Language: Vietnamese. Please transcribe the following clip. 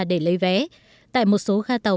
để lấy vé tại một số ga tàu